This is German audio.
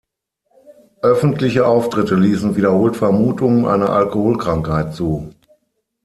Öffentliche Auftritte ließen wiederholt Vermutungen einer Alkoholkrankheit zu.